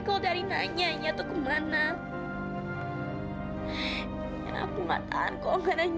apalagi buat pada